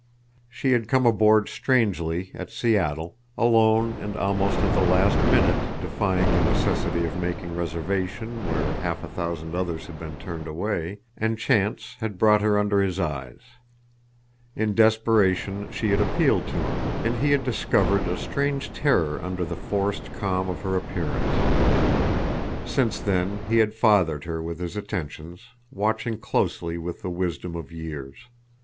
She had come aboard strangely at Seattle, alone and almost at the last minute—defying the necessity of making reservation where half a thousand others had been turned away—and chance had brought her under his eyes. In desperation she had appealed to him, and he had discovered a strange terror under the forced calm of her appearance. Since then he had fathered her with his attentions, watching closely with the wisdom of years.